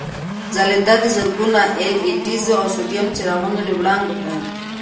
ځلېدا د زرګونو اېل ای ډیز او سوډیم څراغونو له وړانګو ده.